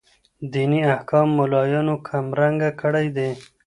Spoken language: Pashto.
ديني احكام ملايانو کم رنګه کړي دي.